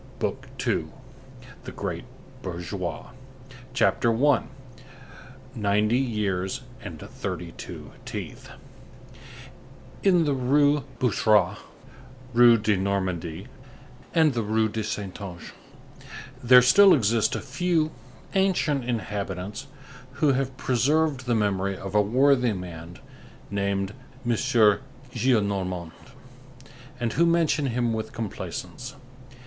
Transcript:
BOOK SECOND—THE GREAT BOURGEOIS CHAPTER I—NINETY YEARS AND THIRTY TWO TEETH In the Rue Boucherat, Rue de Normandie and the Rue de Saintonge there still exist a few ancient inhabitants who have preserved the memory of a worthy man named M. Gillenormand, and who mention him with complaisance.